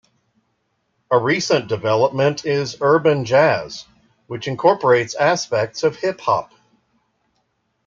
A recent development is urban jazz, which incorporates aspects of hip-hop.